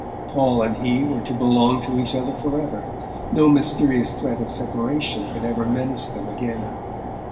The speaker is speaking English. Paul and he were to belong to each other forever: no mysterious threat of separation could ever menace them again!